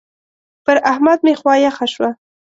پر احمد مې خوا يخه شوه.